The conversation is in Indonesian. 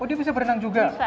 dia bisa berenang juga